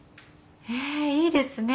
へえいいですね。